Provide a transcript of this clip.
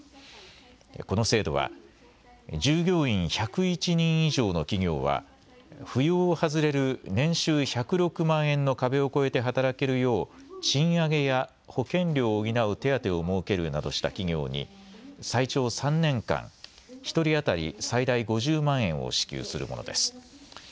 この制度は従業員１０１人以上の企業は扶養を外れる年収１０６万円の壁を超えて働けるよう賃上げや保険料を補う手当てを設けるなどした企業に最長３年間１人当たり最大５０万円を支給するものです。